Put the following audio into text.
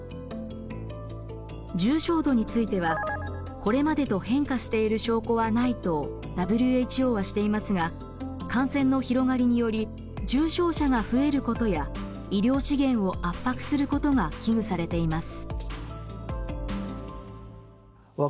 重症度については「これまでと変化している証拠はない」とＷＨＯはしていますが感染の広がりにより重症者が増えることや医療資源を圧迫することが危惧されています。